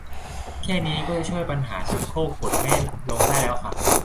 แค่นี้ก็จะช่วยแก้ปัญหาชักโครกกดไม่ลงได้แล้วค่ะ